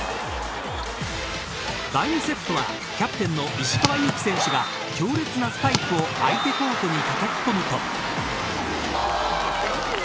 第２セットはキャプテンの石川祐希選手が強烈なスパイクを相手コートにたたき込むと。